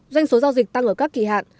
doanh số giao dịch tăng ở các kỳ hạn